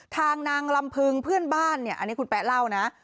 ทางนางลำพึงเพื่อนบ้านเนี่ยอันนี้คุณแป๊ะเล่านะ